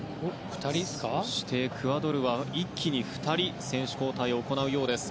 そして、エクアドルは一気に２人選手交代を行うようです。